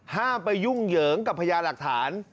ห้ามไปยุ่งเหยิงกับพญาหลักฐาน